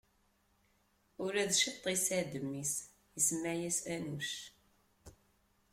Ula d Cit isɛa-d mmi-s, isemma-yas Anuc.